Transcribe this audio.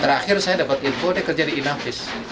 terakhir saya dapat info dia kerja di inavis